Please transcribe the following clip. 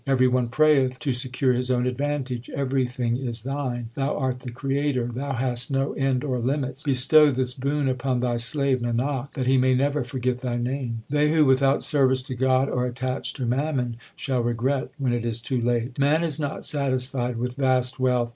Every one prayeth to secure his own advantage. Everything is Thine ; Thou art the Creator. Thou hast no end or limits. Bestow this boon upon Thy slave Nanak, That he may never forget Thy name. HYMNS OF GURU ARJAN 135 They who without service to God are attached to mammon shall regret when it is too late : Man is not satisfied with vast wealth.